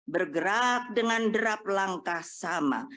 bergerak dengan derap langkah sama